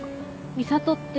美里って。